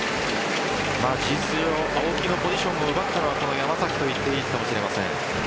事実上青木のポジションを奪ったのがこの山崎といっていいかもしれません。